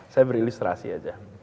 saya berilustrasi saja